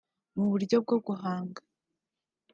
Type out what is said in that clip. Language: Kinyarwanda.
mu buryo bwo guhanga